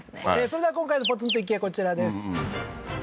それでは今回のポツンと一軒家こちらです